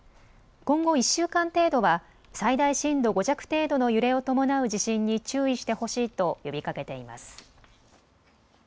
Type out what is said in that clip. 今後１週間程度は最大震度５弱程度の揺れを伴う地震に注意してほしいと呼びかけています。